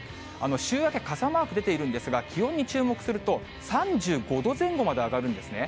週明け、傘マーク出ているんですが、気温に注目すると、３５度前後まで上がるんですね。